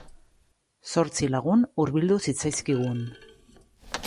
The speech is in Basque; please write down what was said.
Zortzi lagun hurbildu zitzaizkigun.